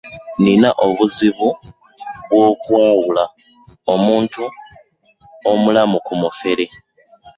nnina obuzibu bw'okwawula omuntumulamu ku mufere.